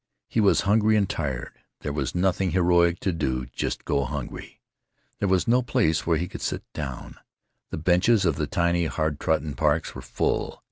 He was hungry and tired. There was nothing heroic to do—just go hungry. There was no place where he could sit down. The benches of the tiny hard trodden parks were full....